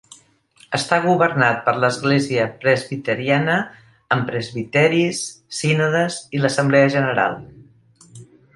Està governat per l'església presbiteriana amb presbiteris, sínodes i l'Assemblea General.